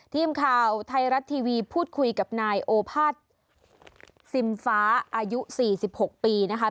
ทีมข่าวไทยรัฐทีวีพูดคุยกับนายโอภาษซิมฟ้าอายุ๔๖ปีนะคะ